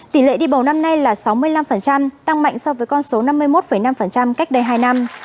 tỷ lệ đi bầu năm nay là sáu mươi năm tăng mạnh so với con số năm mươi một năm cách đây hai năm